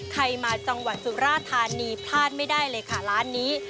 ใครมาจังหวัดสุราธานีพลาดไม่ได้เลยค่ะร้านนี้